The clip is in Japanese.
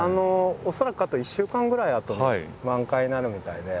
恐らくあと１週間ぐらいあとに満開になるみたいで。